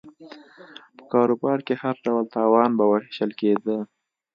په کاروبار کې هر ډول تاوان به وېشل کېده